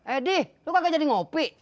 eh d lu kagak jadi ngopi